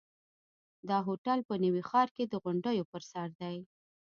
دا هوټل په نوي ښار کې د غونډیو پر سر دی.